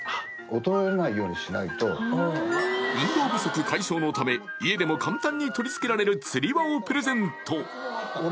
運動不足解消のため家でも簡単に取り付けられる吊り輪をプレゼント